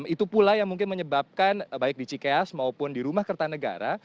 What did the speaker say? itu pula yang mungkin menyebabkan baik di cikeas maupun di rumah kertanegara